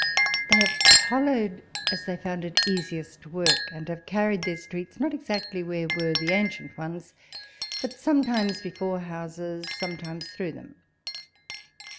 They have hollowed, as they found it easiest to work, and have carried their streets not exactly where were the ancient ones, but sometimes before houses, sometimes through them.